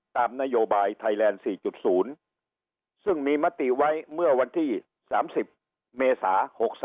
ตามนโยบายไทยแลนด์๔๐ซึ่งมีมติไว้เมื่อวันที่๓๐เมษา๖๓